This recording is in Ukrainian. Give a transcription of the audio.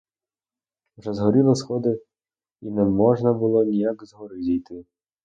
Вже згоріли сходи і не можна було ніяк з гори зійти.